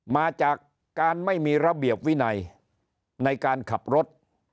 มาจากการไม่มีระเบียบวินัยในการขับรถ